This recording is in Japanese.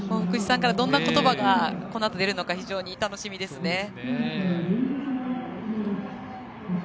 福士さんからどんなことばがこのあと出るのか非常に楽しみですね。